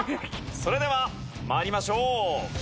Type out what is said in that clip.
それでは参りましょう。